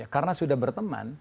karena sudah berteman